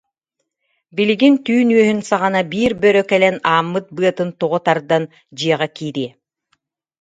«Билигин түүн үөһүн саҕана биир бөрө кэлэн ааммыт быатын тоҕо тардан дьиэҕэ киириэ